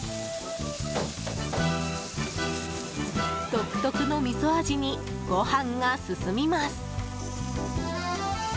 独特のみそ味に、ご飯が進みます。